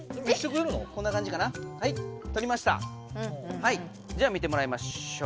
はいじゃあ見てもらいましょう。